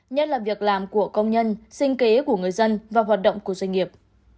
nhất là việc làm của công nhân sinh kế của người dân và hoạt động của doanh nghiệp